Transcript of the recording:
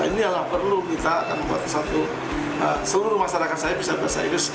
ini adalah perlu kita akan buat satu seluruh masyarakat saya bisa berasa inggris